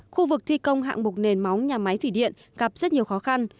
khu vực thi công hạng mục nền móng nhà máy thủy điện gặp rất nhiều khó khăn